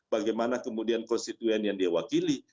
bagaimana kemudian konstituen yang diwakili